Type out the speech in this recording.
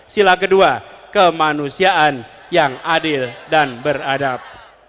sila kedua kemanusiaan yang adil dan beradab